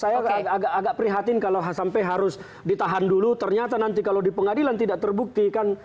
saya agak agak prihatin kalau sampai harus ditahan dulu ternyata nanti kalau di pengadilan tidak terbukti kan